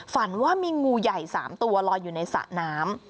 ฝันว่ามีงูใหญ่๓ตัวลอยอยู่ในสระน้ำ